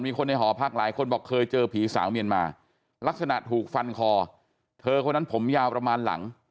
คนในหอพักหลายคนบอกเคยเจอผีสาวเมียนมาลักษณะถูกฟันคอเธอคนนั้นผมยาวประมาณหลัง